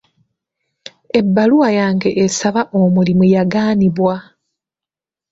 Ebbaluwa yange esaba omulimu yagaanibwa.